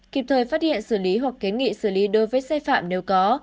kịp thời phát hiện xử lý hoặc kiến nghị xử lý đối với xe phạm nếu có